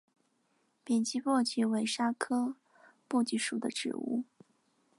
扁基荸荠为莎草科荸荠属的植物。